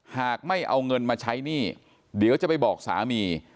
หากไม่เอาเงินมาใช้หนี้เดี๋ยวจะไปบอกสามี